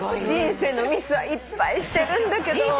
人生のミスはいっぱいしてるんだけど。